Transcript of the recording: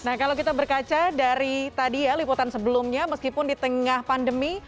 nah kalau kita berkaca dari tadi ya liputan sebelumnya meskipun di tengah pandemi